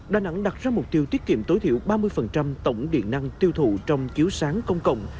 đà nẵng đặt ra mục tiêu tiết kiệm tối thiểu ba mươi tổng điện năng tiêu thụ trong chiếu sáng công cộng